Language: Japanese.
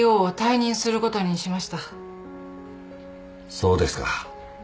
そうですか。